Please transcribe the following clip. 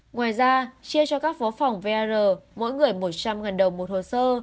ngoài ra chia cho các phó phòng vr mỗi người một trăm linh đồng một hồ sơ